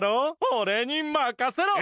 おれにまかせろ。